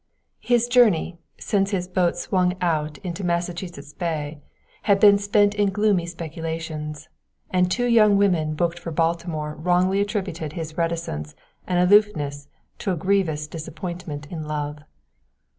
His journey, since his boat swung out into Massachusetts Bay, had been spent in gloomy speculations, and two young women booked for Baltimore wrongly attributed his reticence and aloofness to a grievous disappointment in love.